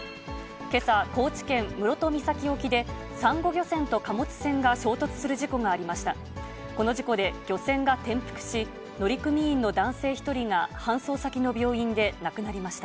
けさ、高知県室戸岬沖で、サンゴ漁船と貨物船が衝突する事故がありました。